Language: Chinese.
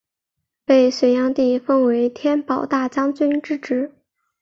被隋炀帝封为天保大将军之职。